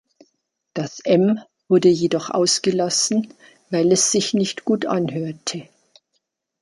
Das "M" wurde jedoch ausgelassen, weil es sich nicht gut anhörte.